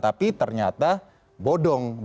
tapi ternyata bodong